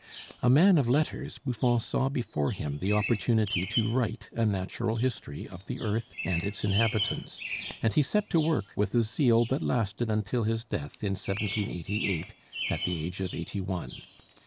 A man of letters, Buffon saw before him the opportunity to write a natural history of the earth and its inhabitants; and he set to work with a zeal that lasted until his death in 1788, at the age of eighty one.